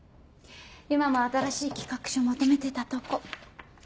今も新しい企画書まとめてたとこ。